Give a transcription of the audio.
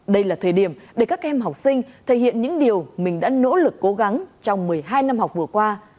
đây là thời điểm để các em học sinh thể hiện những điều mình đã nỗ lực cố gắng trong một mươi hai năm học vừa qua